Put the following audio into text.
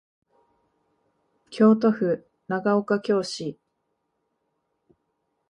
京都府長岡京市